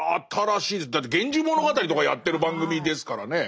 だって「源氏物語」とかやってる番組ですからね。